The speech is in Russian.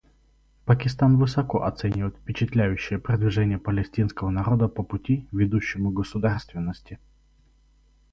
Пакистан высоко оценивает впечатляющее продвижение палестинского народа по пути, ведущему к государственности.